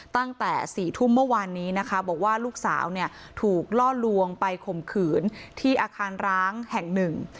ตั้งแต่สี่ทุ่มเมื่อวานนี้นะคะบอกว่าลูกสาวเนี่ยถูกล่อลวงไปข่มขืนที่อาคารร้างแห่งหนึ่ง